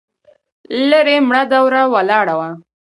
ليرې مړه دوړه ولاړه وه.